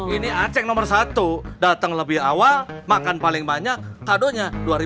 ini aceh nomor satu datang lebih awal makan paling banyak taduh dan berhenti